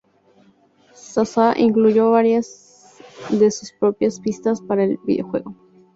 Sasha incluyó varias de sus propias pistas para el videojuego.